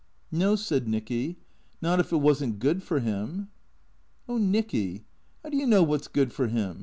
" No," said Nicky, " not if it was n't good for him." " Oh, Nicky, how do you know what 's good for him